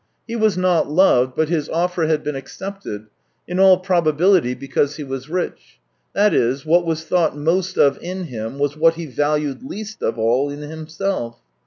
He was not loved, but his offer had been accepted — in all probability because he was rich: that is, what was thought most of in him was what he valued least of all in himself.